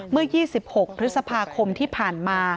เมื่อ๒๖พฤษภาคมที่ผ่านมา